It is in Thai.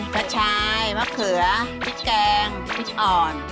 กระชายมะเขือพริกแกงพริกอ่อน